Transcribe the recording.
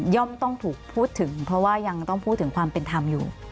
ต้องถูกพูดถึงเพราะว่ายังต้องพูดถึงความเป็นธรรมอยู่